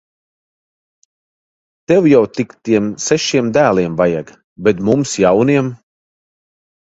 Tev jau tik tiem sešiem dēliem vajag! Bet mums jauniem.